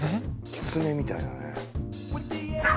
キツネみたいだね